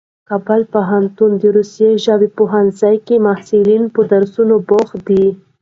کابل پوهنتون د روسي ژبو پوهنځي کې محصلان په درس بوخت دي.